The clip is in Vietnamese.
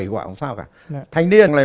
bảy quả không sao cả thanh niên này